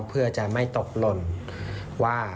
เพื่อจะไม่ตกหล่นว่า